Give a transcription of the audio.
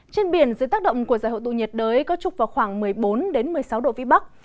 trên biển dưới tác động của giải hội tụ nhiệt đới có trục vào khoảng một mươi bốn một mươi sáu độ vĩ bắc